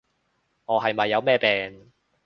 我係咪有咩病？